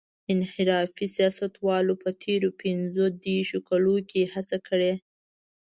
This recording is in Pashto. انحرافي سیاستوالو په تېرو پينځه دېرشو کلونو کې هڅه کړې.